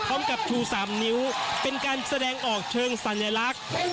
ชู๓นิ้วเป็นการแสดงออกเชิงสัญลักษณ์